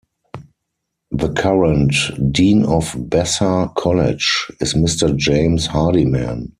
The current Dean of Basser College is Mr James Hardiman.